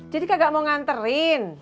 jadi kagak mau nganterin